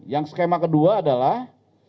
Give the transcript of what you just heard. yang skema kedua adalah